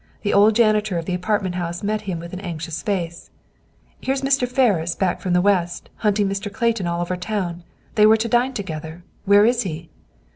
The old janitor of the apartment house met him with an anxious face. "Here's Mr. Ferris, back from the West, hunting Mr. Clayton all over town. They were to dine together. Where is he?"